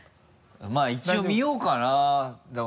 まぁ一応見ようかな。